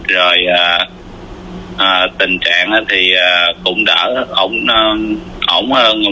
rồi tình trạng thì cũng đã ổn hơn